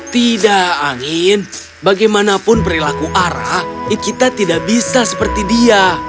tidak angin bagaimanapun perilaku ara kita tidak bisa seperti dia